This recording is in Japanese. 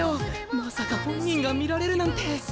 まさか本人が見られるなんて。